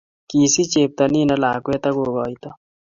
Kisich chepto nino lakwet akukoito